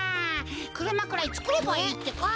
くるまくらいつくればいいってか。